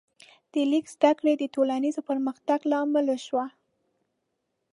د لیک زده کړه د ټولنیز پرمختګ لامل شوه.